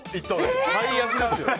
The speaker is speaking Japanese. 最悪ですよ。